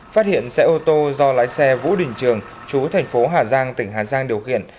phát hiện xe ô tô do lái xe vũ đình trường chú thành phố hà giang tỉnh hà giang điều khiển